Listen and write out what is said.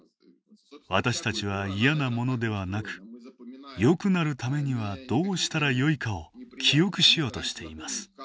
私たちは嫌なものではなくよくなるためにはどうしたらよいかを記憶しようとしています。